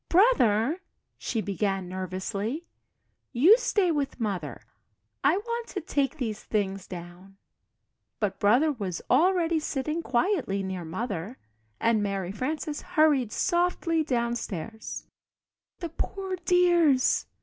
"Brother," she began, nervously, "you stay with Mother I want to take these things down." But Brother was already sitting quietly near Mother, and Mary Frances hurried softly downstairs.